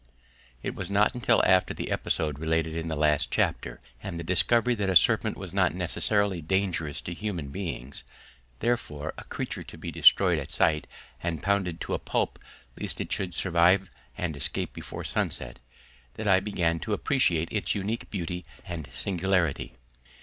It was not until after the episode related in the last chapter and the discovery that a serpent was not necessarily dangerous to human beings, therefore a creature to be destroyed at sight and pounded to a pulp lest it should survive and escape before sunset, that I began to appreciate its unique beauty and singularity.